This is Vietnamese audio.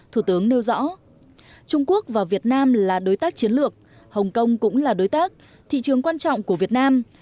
thủ tướng nêu rõ trung quốc và việt nam là đối tác chiến lược hồng kông cũng là đối tác thị trường quan trọng của việt nam